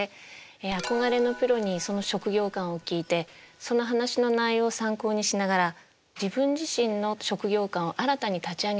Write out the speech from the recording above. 憧れのプロにその「職業観」を聞いてその話の内容を参考にしながら自分自身の「職業観」を新たに立ち上げていく。